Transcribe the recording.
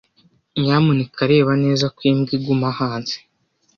Nyamuneka reba neza ko imbwa iguma hanze.